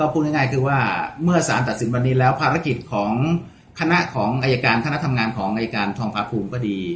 พูดง่ายคือว่าเมื่อสารตัดสินวันนี้แล้วภารกิจของคณะของอายการคณะทำงานของอายการทองพาภูมิก็ดี